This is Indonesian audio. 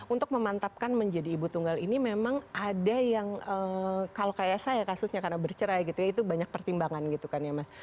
untuk memantapkan menjadi ibu tunggal ini memang ada yang kalau kayak saya kasusnya karena bercerai gitu ya itu banyak pertimbangan gitu kan ya mas